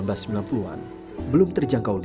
nah itu kita punya pad di senter dulu dia dan dia ada di